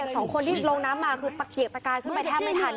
สองคนที่ลงน้ำมาคือตะเกียกตะกายขึ้นไปแทบไม่ทัน